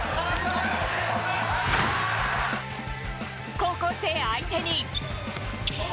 高校生相手に。